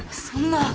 そんな。